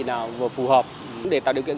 nào vừa phù hợp để tạo điều kiện